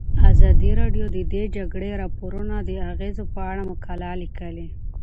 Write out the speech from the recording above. ازادي راډیو د د جګړې راپورونه د اغیزو په اړه مقالو لیکلي.